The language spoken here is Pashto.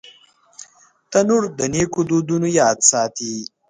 تنور د نیکو دودونو یاد ساتي